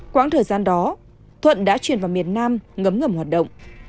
quãng thời gian đó thuận đã chuyển vào miền nam ngấm ngầm hoạt động